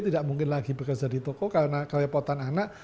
tidak mungkin lagi bekerja di toko karena kelepotan anak